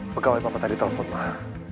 pegawai papa tadi telpon lah